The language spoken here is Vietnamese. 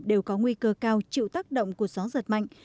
đều có nguy cơ cao chịu tác động của gió giật mạnh